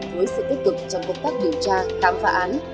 với sự tích cực trong công tác điều tra khám phá án